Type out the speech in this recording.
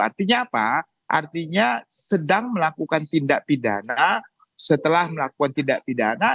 artinya apa artinya sedang melakukan tindak pidana setelah melakukan tindak pidana